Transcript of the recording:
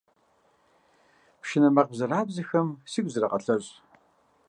Пшынэ макъ бзэрабзэхэм сигу зырагъэлъэщӏ.